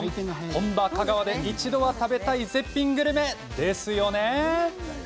本場香川で一度は食べたい絶品グルメですよね。